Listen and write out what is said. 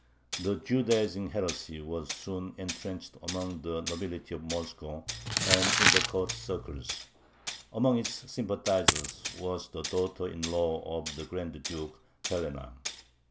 The "Judaizing heresy" was soon intrenched among the nobility of Moscow and in the court circles. Among its sympathizers was the daughter in law of the Grand Duke, Helena.